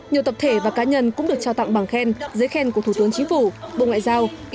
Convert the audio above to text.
nhiều tập thể và cá nhân cũng được trao tặng bằng khen dưới khen của thủ tướng chính phủ bộ ngoại giao